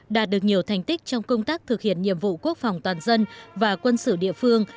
đạt được nhiều thành tích trong công tác thực hiện nhiệm vụ quốc phòng toàn dân và quân sự địa phương